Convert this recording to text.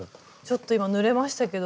ちょっと今塗れましたけど。